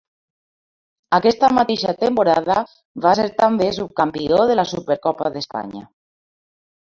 Aquesta mateixa temporada va ser també subcampió de la Supercopa d'Espanya.